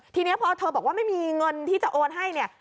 ทีนี้พอเธอบอกว่าไม่มีเงินที่จะโอนให้เนี่ย